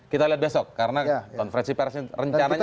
kita lihat besok karena konfrensi persenya rencananya akan ada di depan besok